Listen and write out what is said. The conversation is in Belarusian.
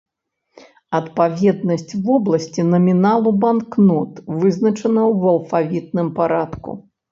Адпаведнасць вобласці наміналу банкнот вызначана ў алфавітным парадку.